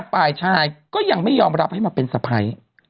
ฝ่ายชายก็ยังไม่ยอมรับให้มาเป็นสะพ้าย